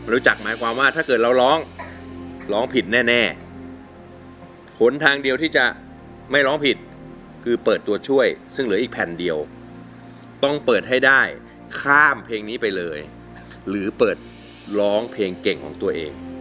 รู้จักหมายความว่าถ้าเกิดเราร้องร้องผิดแน่ผลทางเดียวที่จะไม่ร้องผิดคือเปิดตัวช่วยซึ่งเหลืออีกแผ่นเดียวต้องเปิดให้ได้ข้ามเพลงนี้ไปเลยหรือเปิดร้องเพลงเก่งของตัวเอง